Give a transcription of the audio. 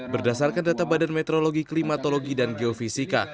berdasarkan data badan meteorologi klimatologi dan geofisika